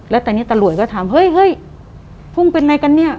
แล้วแต่นี่ตะหรวยก็ถามเฮ้ยเฮ้ย